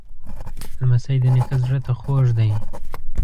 لمسی د نیکه زړه ته خوږ دی.